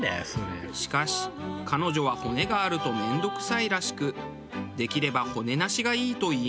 しかし彼女は骨があると面倒くさいらしく「できれば骨なしがいい」と言います。